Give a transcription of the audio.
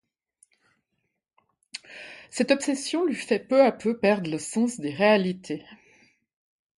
Cette obsession lui fait peu à peu perdre le sens des réalités.